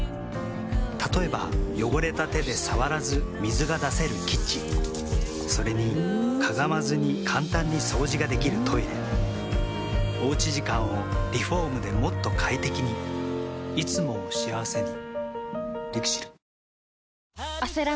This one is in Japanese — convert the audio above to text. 例えば汚れた手で触らず水が出せるキッチンそれにかがまずに簡単に掃除ができるトイレおうち時間をリフォームでもっと快適にいつもを幸せにＬＩＸＩＬ。